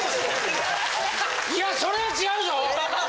いやそれは違うぞ！